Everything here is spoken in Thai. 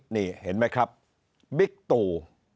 นี่เห็นไหมครับบิ๊กตู